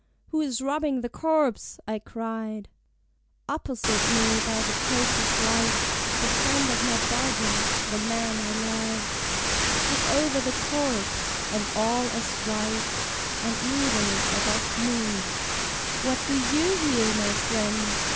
"Who is robbing the corpse?" I cried. Opposite me by the tapers' light, The friend of my bosom, the man I loved, Stood over the corpse, and all as white, And neither of us moved. "What do you here, my friend?"